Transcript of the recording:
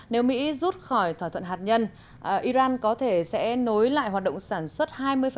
nếu mỹ rút khỏi thỏa thuận hạt nhân iran có thể sẽ nối lại hoạt động sản xuất